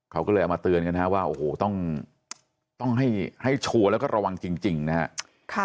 เขาก็เลยเอามาเตือนกันนะครับว่าโอ้โหต้องให้ชัวร์แล้วก็ระวังจริงนะครับ